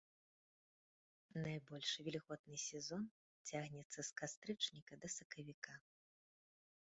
Найбольш вільготны сезон цягнецца з кастрычніка да сакавіка.